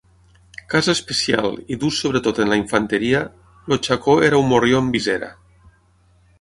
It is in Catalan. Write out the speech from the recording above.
Cas especial, i d'ús sobretot en la infanteria, el xacó era un morrió amb visera.